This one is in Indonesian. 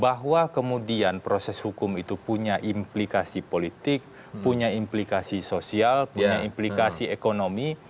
bahwa kemudian proses hukum itu punya implikasi politik punya implikasi sosial punya implikasi ekonomi